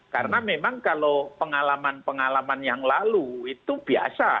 karena memang kalau pengalaman pengalaman yang lalu itu biasa